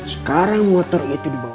sekarang motor itu dibawa